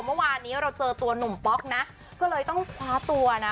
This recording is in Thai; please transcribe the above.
เมื่อวานนี้เราเจอตัวหนุ่มป๊อกนะก็เลยต้องคว้าตัวนะ